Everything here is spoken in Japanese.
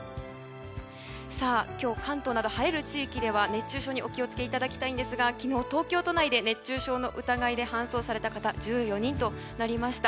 今日は関東など晴れる地域で熱中症にお気を付けいただきたいんですが昨日、東京都内で熱中症の疑いで搬送された方は１４人となりました。